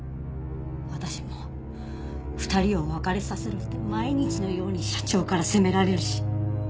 私も２人を別れさせろと毎日のように社長から責められるし。